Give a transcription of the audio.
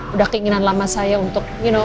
udah keinginan lama saya udah berundang ke sini ya kan